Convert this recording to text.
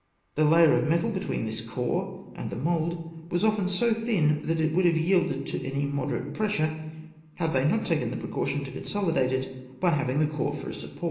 The layer of metal between this core and the mould was often so thin that it would have yielded to any moderate pressure, had they not taken the precaution to consolidate it by having the core for a support.